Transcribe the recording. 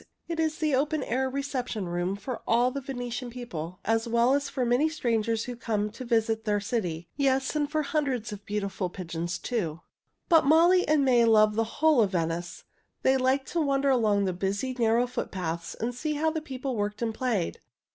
It is the open air reception room for all the Venetian people, as well as for many strangers who come to visit their city yes, and for hundreds of beautiful pigeons, too. But Molly and May loved the whole of Venice. They liked to wander along the busy, narrow footpaths and see how the people worked and played.